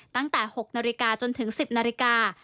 ตั้งแต่๖นาฬิกาจนถึง๑๐นาฬิกา